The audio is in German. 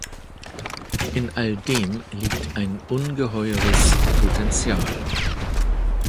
In all dem liegt ein ungeheures Potential.